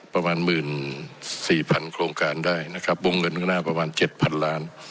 ประมาณหมื่นสี่พันโครงการได้นะครับวงเงินข้างหน้าประมาณเจ็ดพันล้าน